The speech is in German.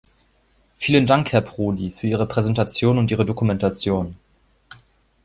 Vielen Dank, Herr Prodi, für Ihre Präsentation und Ihre Dokumentation.